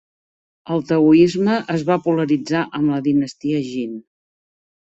El taoisme es va polaritzar amb la dinastia Jin.